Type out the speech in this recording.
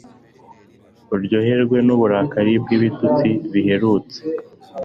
Uryoherwa nuburakari bwibitutsi biherutse